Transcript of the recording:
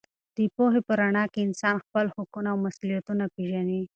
د پوهې په رڼا کې انسان خپل حقونه او مسوولیتونه پېژني.